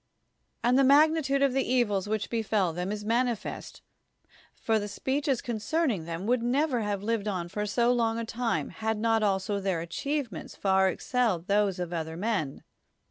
And the magnitude of the evils which befel them is manifest, for the speeches concern ing them would never have lived on for so long a time had not also their achievements far ex celled those of other men.